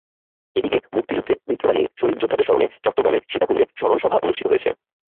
এদিকে মুক্তিযুদ্ধে মিত্রবাহিনীর শহীদ যোদ্ধাদের স্মরণে চট্টগ্রামের সীতাকুণ্ডে স্মরণসভা অনুষ্ঠিত হয়েছে।